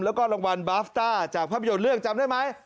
แล้วก็รางวัลบาสต้าจากภาพยนตร์เรื่องจำได้ไหม